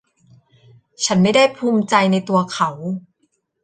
ฉันไม่ได้ภูมิใจในตัวเขา